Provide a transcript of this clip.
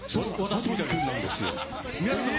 羽鳥君なんですよ。